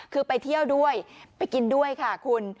คือไปเที่ยวด้วยไปกินด้วยค่ะคุณ